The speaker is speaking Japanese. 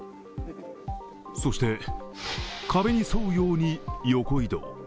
そして壁に沿うように横移動。